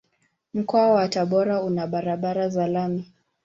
Mkoa wa Tabora una barabara za lami.